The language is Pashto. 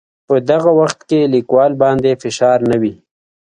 په دغه وخت کې لیکوال باندې فشار نه وي.